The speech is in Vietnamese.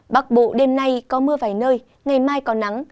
bắc bộ đêm nay có mưa vài nơi ngày mai có nắng